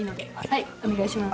はいお願いします。